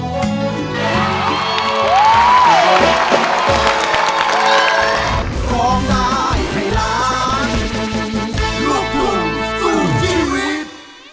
ร้องได้ให้ล้านลูกทุ่งสู้ชีวิต